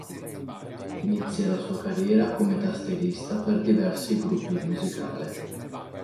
Inizia la sua carriera come tastierista per diversi gruppi musicale.